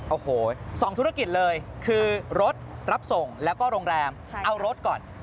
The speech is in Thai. โอ้โห๒ธุรกิจเลยคือรถรับส่งแล้วก็โรงแรมเอารถก่อน